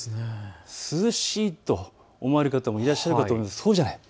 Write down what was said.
涼しいと思われる方もいらっしゃると思いますがそうじゃない。